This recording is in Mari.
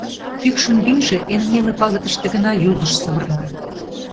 Пӱкшын вийже эн неле пагытыште гына юзыш савырна.